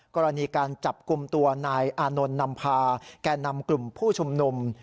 กรณีการจับกลุ่มตัวนายอานนท์นำพาแก่นำกลุ่มผู้ชุมนุม